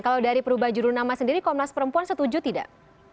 kalau dari perubahan juru nama sendiri komnas perempuan setuju tidak